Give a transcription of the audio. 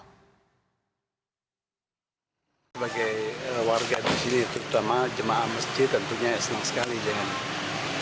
terutama jemaah masjid tentunya senang sekali